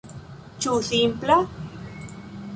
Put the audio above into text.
Ĉu simpla?